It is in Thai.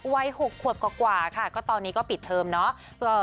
วัย๖ขวบกว่าค่ะก็ตอนนี้ก็ปิดเทอมเนาะ